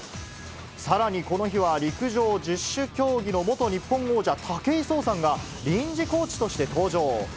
さらにこの日は、陸上・十種競技の元日本王者、武井壮さんが臨時コーチとして登場。